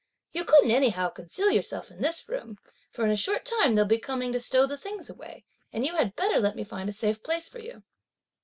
You couldn't anyhow conceal yourself in this room; for in a short time they'll be coming to stow the things away, and you had better let me find a safe place for you."